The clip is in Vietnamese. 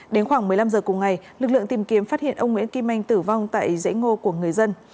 đến khoảng một mươi năm h cùng ngày lực lượng tìm kiếm phát hiện ông nguyễn kim anh tử vong tại dãy ngô của người dân